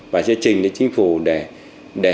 và sẽ trình cho chính phủ để